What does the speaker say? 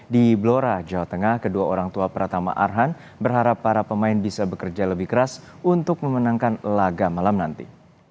di blora jawa tengah kedua orang tua pratama arhan berharap para pemain bisa bekerja lebih keras untuk memenangkan laga malam nanti